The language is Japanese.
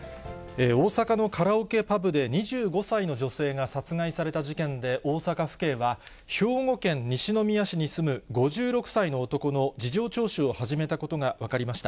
大阪のカラオケパブで、２５歳の女性が殺害された事件で大阪府警は、兵庫県西宮市に住む５６歳の男の事情聴取を始めたことが分かりました。